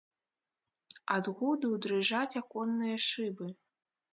Ад гуду дрыжаць аконныя шыбы.